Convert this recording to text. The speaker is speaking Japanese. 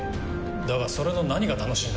だがそれの何が楽しいんだ？